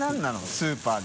スーパーで。